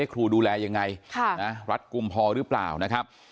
ครูดูแลยังไงรัฐกลุ่มพอหรือเปล่านะครับ